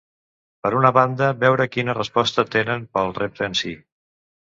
Per una banda veure quina resposta tenen pel repte en sí.